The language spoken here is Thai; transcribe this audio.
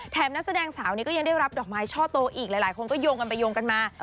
นักแสดงสาวนี้ก็ยังได้รับดอกไม้ช่อโตอีกหลายคนก็โยงกันไปโยงกันมา